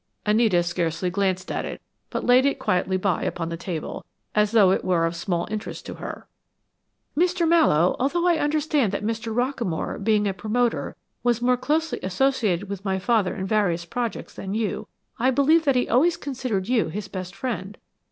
Anita scarcely glanced at it, but laid it quietly by upon the table, as though it were of small interest to her. "Mr. Mallowe, although I understand that Mr. Rockamore, being a promoter, was more closely associated with my father in various projects than you, I believe that he always considered you his best friend.